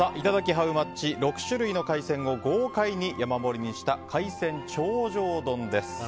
ハウマッチ６種類の海鮮を豪快に山盛りにした海鮮頂上丼です。